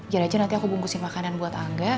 yaudah aja nanti aku bungkusin makanan buat angga